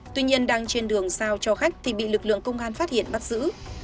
tuy nhiên đang trên đường giao cho khách thì bị lực lượng công an phát hiện bắt giữ